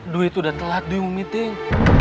dwi tuh udah telat dwi mau meeting